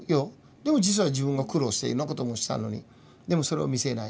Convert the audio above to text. でも実は自分が苦労していろんなこともしたのにでもそれを見せない。